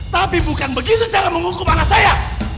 tapi bukan begitu cara menghukum anak saya